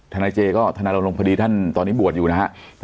นายเจก็ธนายลงพอดีท่านตอนนี้บวชอยู่นะฮะ